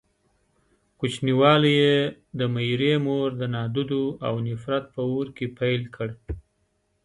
کوچنيوالی يې د ميرې مور د نادودو او نفرت په اور کې پيل کړ.